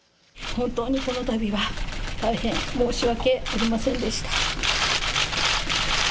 本当にこのたびは大変申し訳ありませんでした。